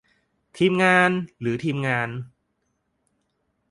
ทีมงาน หรือ ทีมงาน ?